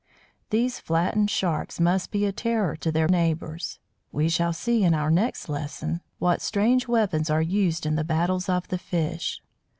8. Malted Gurnard. 9. Muroena.] These flattened Sharks must be a terror to their neighbours. We shall see, in our next lesson, what strange weapons are used in the battles of the fish.